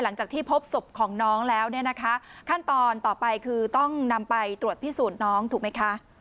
หลังจากที่พบศพของน้องแล้วเนี่ยนะคะขั้นตอนต่อไปคือต้องนำไปตรวจพิสูจน์น้องถูกไหมคะ